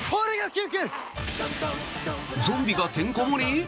ゾンビがてんこ盛り？